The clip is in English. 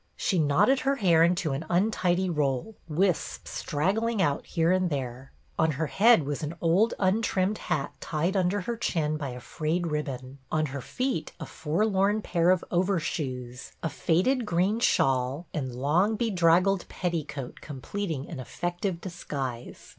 She knotted her hair into an untidy roll, wisps straggling out here and there ; on her head was an old untrimmed hat tied under her chin by a frayed ribbon ; on her feet a forlorn pair of overshoes ; a faded green shawl and long, bedraggled petticoat completing an effective disguise.